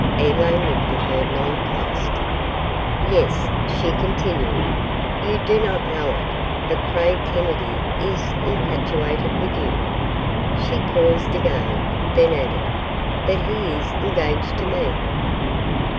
Elaine looked at her non plussed. "Yes," she continued, "you do not know it, but Craig Kennedy is infatuated with you." She paused again, then added, "But he is engaged to me."